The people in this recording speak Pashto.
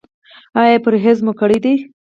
ایا پرهیز مو کړی دی؟